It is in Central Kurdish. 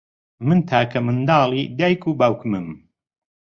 من تاکە منداڵی دایک و باوکمم.